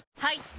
はい！